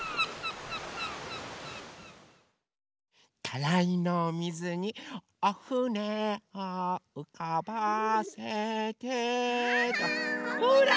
たらいのおみずに「おふねをうかばせて」ほら！